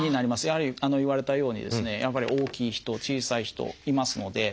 やはり言われたようにですね大きい人小さい人いますので。